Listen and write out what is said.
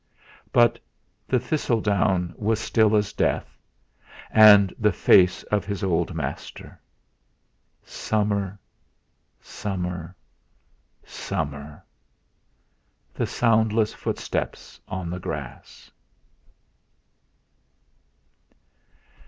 But the thistledown was still as death, and the face of his old master. Summer summer summer! The soundless footsteps on the grass!